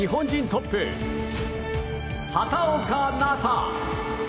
トップ畑岡奈紗。